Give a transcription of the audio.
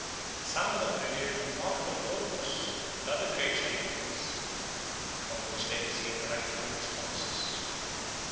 Some of them revered remarkable oaks and other great shady trees, from which they received oracular responses.